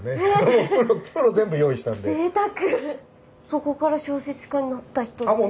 そこから小説家になった人って？